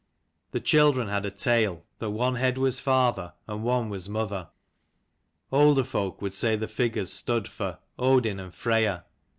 The children had a tale that one head 6 was father and one Was mother : older folk would say the figures stood for Odin and Freya.